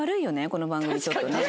この番組ちょっとね。